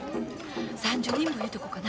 ３０人分いうとこかな。